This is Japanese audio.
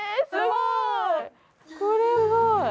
すごい。